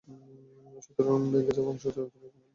সেতুর ভেঙে যাওয়া অংশে নতুন একটি বেইলি সেতু স্থাপন করা হবে।